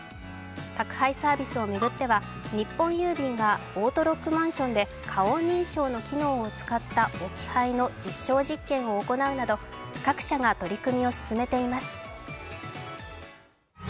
宅配サービスを巡っては日本郵便がオートロックマンションで顔認証の機能を使った置き配の実証実験を行うなど、各社が取り組みを進めています。